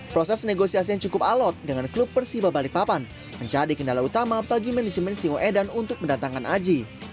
proses negosiasi yang cukup alot dengan klub persiba balikpapan menjadi kendala utama bagi manajemen singoedan untuk mendatangkan aji